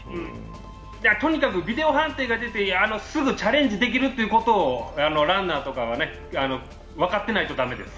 とにかくビデオ判定が出て、すぐチャレンジできることをランナーは分かっていないと駄目です。